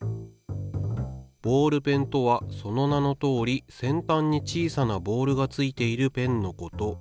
「ボールペンとはその名のとおり先たんに小さなボールがついているペンのこと。